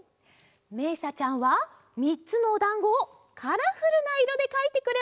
めいさちゃんはみっつのおだんごをカラフルないろでかいてくれました。